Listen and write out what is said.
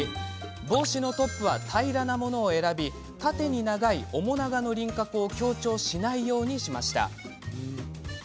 帽子のトップは平らなものを選び縦に長い面長の輪郭を強調しないようにしました。